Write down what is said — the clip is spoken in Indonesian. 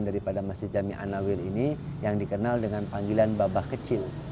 daripada masjid jami'an nawir ini yang dikenal dengan panggilan baba kecil